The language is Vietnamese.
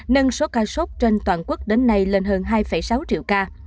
nâng số ca sốt trên toàn quốc đến nay lên hơn hai sáu triệu ca